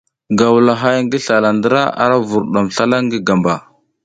Gawlahay ngi zlala ndra, ara vurdam slalak ngi gamba.